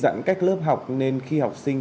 dặn cách lớp học nên khi học sinh